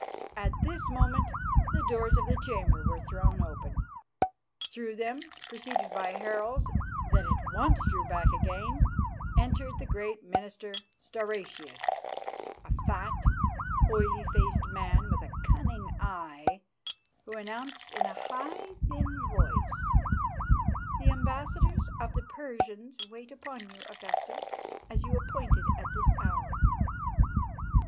At this moment the doors of the chamber were thrown open. Through them, preceded by heralds, that at once drew back again, entered the great minister Stauracius, a fat, oily faced man with a cunning eye, who announced in a high, thin voice, "The ambassadors of the Persians wait upon you, Augusta, as you appointed at this hour."